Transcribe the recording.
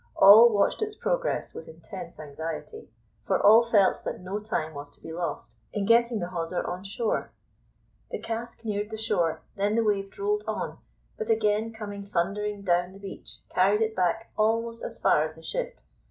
All watched its progress with intense anxiety, for all felt that no time was to be lost in getting the hawser on shore. The cask neared the shore, then the wave rolled on, but again coming thundering down the beach, carried it back almost as far as the ship.